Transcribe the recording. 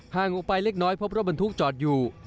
ออกไปเล็กน้อยพบรถบรรทุกจอดอยู่